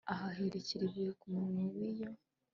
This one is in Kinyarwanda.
ahirikira ibuye ku munwa w iyo